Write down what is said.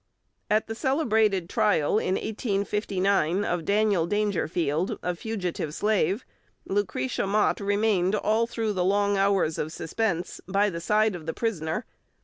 At the celebrated trial in 1859 of Daniel Dangerfield, a fugitive slave, Lucretia Mott remained all through the long hours of suspense by the side of the prisoner.